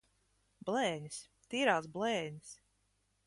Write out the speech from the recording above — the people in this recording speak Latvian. Blēņas! Tīrās blēņas!